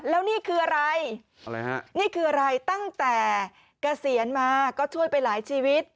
แล้วนี่คืออะไรฮะนี่คืออะไรตั้งแต่เกษียณมาก็ช่วยไปหลายชีวิต